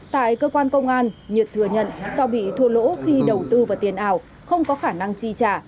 tại cơ quan công an nhật thừa nhận do bị thua lỗ khi đầu tư vào tiền ảo không có khả năng chi trả